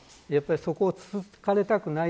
そこをつつかれたくない